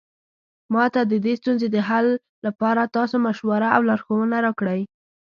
ما ته د دې ستونزې د حل لپاره تاسو مشوره او لارښوونه راکړئ